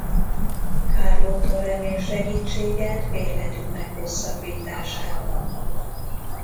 Carlótól remél segítséget bérletük meghosszabbításában.